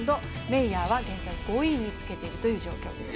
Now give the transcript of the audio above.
メイヤーは現在５位につけているという状況です。